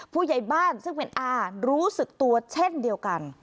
ผู้ใหญ่บ้านซึ่งเป็นอารู้สึกตัวเช่นเดียวกัน